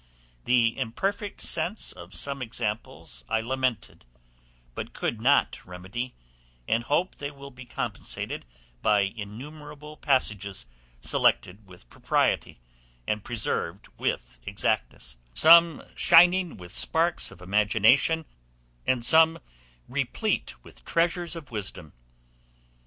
The imperfect sense of some examples I lamented, but could not remedy, and hope they will be compensated by innumerable passages selected with propriety, and preserved with exactness; some shining with sparks of imagination, and some replete with treasures of wisdom.